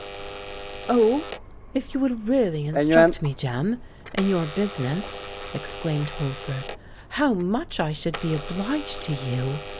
"Oh! if you would really instruct me, Jem, in your business," exclaimed Holford, "how much I should be obliged to you!